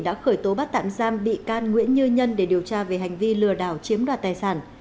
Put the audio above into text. đã khởi tố bắt tạm giam bị can nguyễn như nhân để điều tra về hành vi lừa đảo chiếm đoạt tài sản